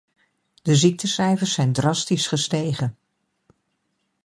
De ziektecijfers zijn drastisch gestegen.